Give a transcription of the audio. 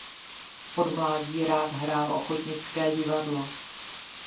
Od mládí rád hrál ochotnické divadlo.